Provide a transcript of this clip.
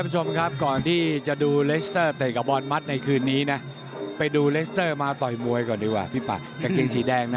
จัดจ้านนะครับไฟแดงอืมมาแทนก็จริงน่ะ